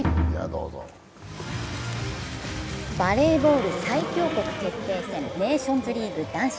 バレーボール最強国決定戦ネーションズリーグ男子。